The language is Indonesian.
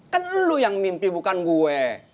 kan lu yang mimpi bukan gue